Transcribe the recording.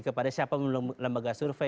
kepada siapa lembaga survei